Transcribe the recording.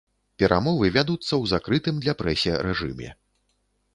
Перамовы вядуцца ў закрытым для прэсе рэжыме.